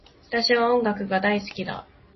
私は音楽が大好きだ